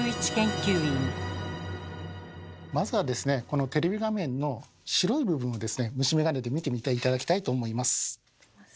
このテレビ画面の白い部分をですね虫眼鏡で見てみて頂きたいと思います。